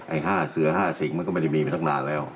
ไอ่ห้าเสียห้าสิวิ้งมันก็ไม่ได้มีมาทั้งนานแล้ว